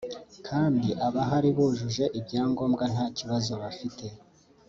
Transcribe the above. kandi abahari bujuje ibyangombwa nta kibazo bafite